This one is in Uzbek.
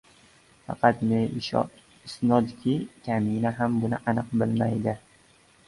Faqat ne isnodki, kamina ham buni aniq bilmaydi.